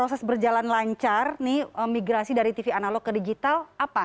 sepenuhnya dari tv analog ke tv digital